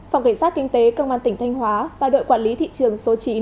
phòng cảnh sát kinh tế công an tỉnh thanh hóa và đội quản lý thị trường số chín